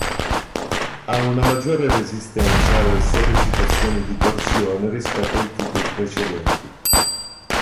Ha una maggiore resistenza alle sollecitazioni di torsione rispetto ai tipi precedenti.